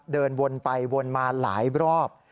เดินวนไปวนมาหลายรอบ